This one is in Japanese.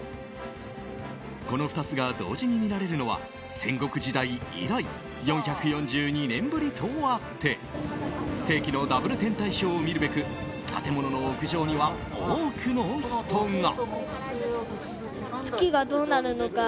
この２つが同時に見られるのは戦国時代以来４４２年ぶりとあって世紀のダブル天体ショーを見るべく建物の屋上には多くの人が。